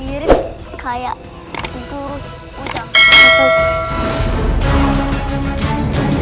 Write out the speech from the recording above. kenapa aku sudah datang terlambat raden